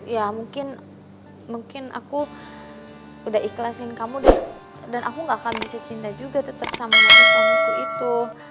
ya mungkin aku udah ikhlasin kamu dan aku gak akan bisa cinta juga tetap sama mereka waktu itu